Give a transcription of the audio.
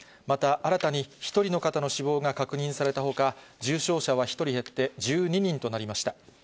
また、新たに１人の方の死亡が確認されたほか、重症者は１人減って１２人となりました。